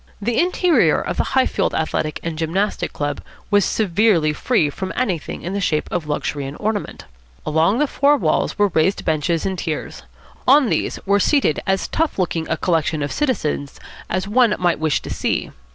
The interior of the Highfield Athletic and Gymnastic Club was severely free from anything in the shape of luxury and ornament. Along the four walls were raised benches in tiers. On these were seated as tough looking a collection of citizens as one might wish to see.